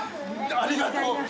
ありがとう！